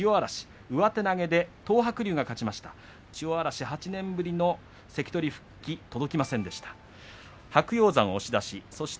千代嵐８年ぶりの関取復帰なりませんでした。